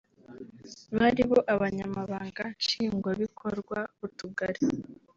baribo Abanyamabanga Nshingwabikorwa b’Utugari